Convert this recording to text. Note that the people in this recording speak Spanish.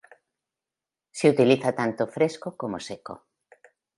Se utiliza tanto fresco como seco.